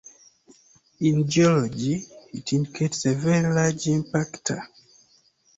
In geology, it indicates a very large impactor.